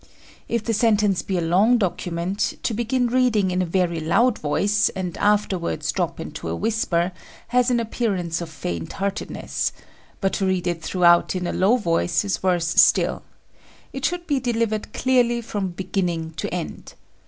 If the sentence be a long document, to begin reading in a very loud voice and afterwards drop into a whisper has an appearance of faint heartedness; but to read it throughout in a low voice is worse still: it should be delivered clearly from beginning to end.